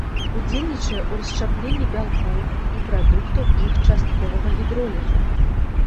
Удзельнічае ў расшчапленні бялкоў і прадуктаў іх частковага гідролізу.